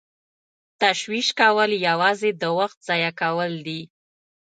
تشویش کول یوازې د وخت ضایع کول دي.